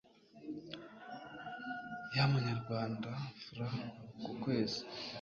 y amanyarwanda Frw ku kwezi